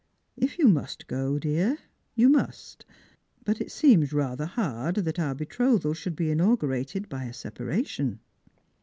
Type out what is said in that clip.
If you must go, dear, you must. But it seems rather hard that our betrothal should be inaugurated by a separation."